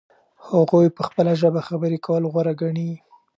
هغوی په خپله ژبه خبرې کول غوره ګڼي.